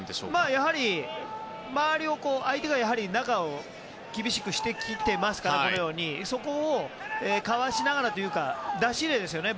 やはり相手が中を厳しくしてきていますからそこをかわしながらというか出し入れですよね。